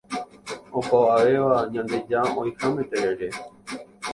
Opavavéva ñandeja oĩháme terere.